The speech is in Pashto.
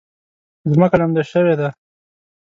ځمکه لمده شوې ده